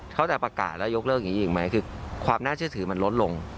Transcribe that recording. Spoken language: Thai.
เขาจะประกาศแล้วยกเลิกอย่างนี้อีกไหมคือความน่าเชื่อถือมันลดลง